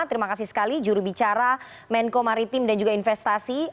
terima kasih sekali jurubicara menko maritim dan juga investasi